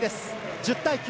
１０対９。